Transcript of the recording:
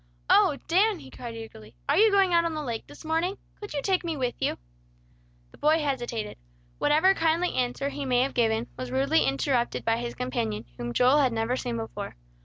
"Oh, Dan!" he cried eagerly. "Are you going out on the lake this morning? Could you take me with you?" The boy hesitated. Whatever kindly answer he may have given, was rudely interrupted by his companion, whom Joel had never seen before.